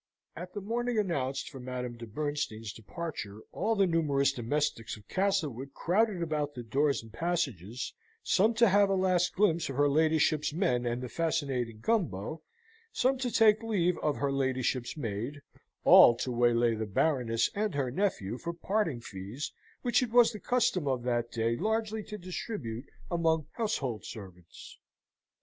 At the morning announced for Madame de Bernstein's departure, all the numerous domestics of Castlewood crowded about the doors and passages, some to have a last glimpse of her ladyship's men and the fascinating Gumbo, some to take leave of her ladyship's maid, all to waylay the Baroness and her nephew for parting fees, which it was the custom of that day largely to distribute among household servants.